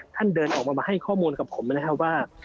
เดินออกมามาให้ข้อมูลกับผมนะครับว่า